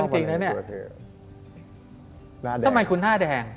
ทำไมคุณนะแดง